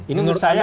ini menurut saya